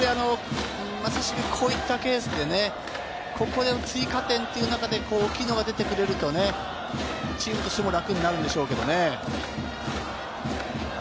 まさしくこういったケースで、ここで追加点という中で大きいのが出てくれるとね、チームとしても楽になるんでしょうけれどもね。